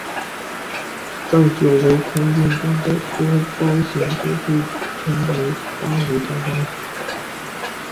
在九维空间中的多胞形都被称为八维多胞形。